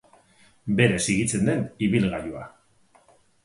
Berez higitzen den ibilgailua.